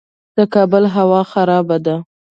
د کابل هوا خرابه ده